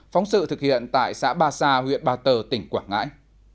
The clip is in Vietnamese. phóng sự thực hiện tại xã ba sa huyện ba tơ tỉnh quảng ngãi